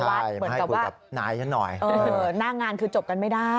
ใช่มาให้คุยกับนายนั้นหน่อยนางานคือจบกันไม่ได้